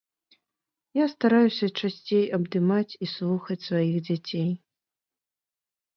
Я стараюся часцей абдымаць і слухаць сваіх дзяцей.